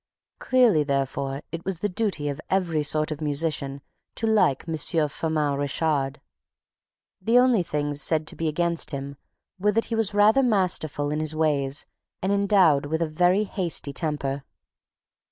Clearly, therefore, it was the duty of every sort of musician to like M. Firmin Richard. The only things to be said against him were that he was rather masterful in his ways and endowed with a very hasty temper.